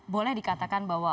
boleh dikatakan bahwa